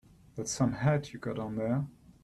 That's some hat you got on there.